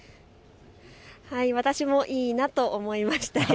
私もいいなと思いましたよ。